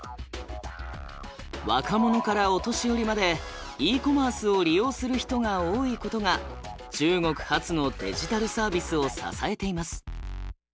若者からお年寄りまでＥコマースを利用する人が多いことが中国発のデジタルサービスを支えています。